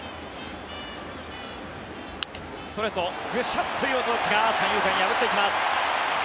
ストレートグシャッという音ですが三遊間を破っていきます。